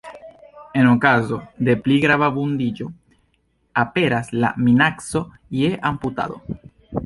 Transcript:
En okazo de pli grava vundiĝo aperas la minaco je amputado.